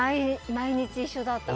毎日一緒だった。